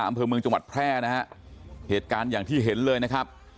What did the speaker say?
อำเภอเมืองจังหวัดแพร่นะฮะเหตุการณ์อย่างที่เห็นเลยนะครับ